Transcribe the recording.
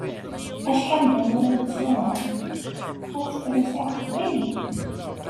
Acḥal d awal i ttuɣ... asefru-s iɛreq-iyi.